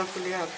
untuk beli hp